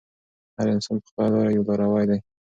هر انسان په خپله لاره یو لاروی دی.